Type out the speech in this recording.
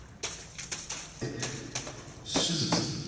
えっ？手術？